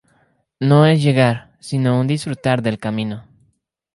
No es un llegar sino un disfrutar del camino.